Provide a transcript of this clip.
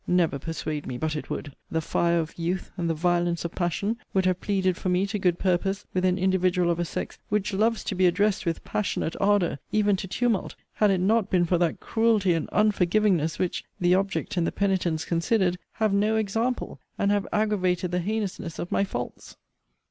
Never persuade me but it would. The fire of youth, and the violence of passion, would have pleaded for me to good purpose, with an individual of a sex, which loves to be addressed with passionate ardour, even to tumult, had it not been for that cruelty and unforgivingness, which, (the object and the penitence considered,) have no example, and have aggravated the heinousness of my faults.